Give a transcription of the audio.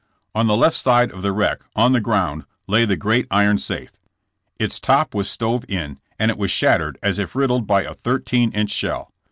On the left side of the wreck, on the ground, lay the great iron safe. Its top was stove in and it was shattered as if riddled by a thir teen inch shell.